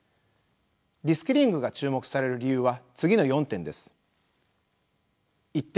リスキリングが注目される理由は次の４点です。